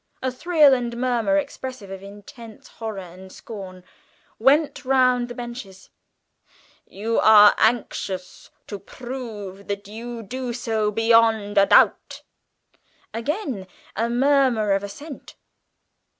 (A thrill and murmur, expressive of intense horror and scorn, went round the benches.) "You are anxious to prove that you do so beyond a doubt." (Again a murmur of assent.)